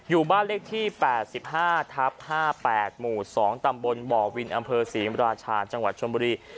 อยู่บ้านเลขที่แปดสิบห้าทับห้าแปดหมู่สองตำบลบอกวินอำเภอศรีราชาจังหวัดชนบุรี